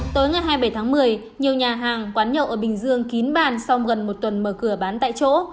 tối ngày hai mươi bảy tháng một mươi nhiều nhà hàng quán nhậu ở bình dương kín bàn sau gần một tuần mở cửa bán tại chỗ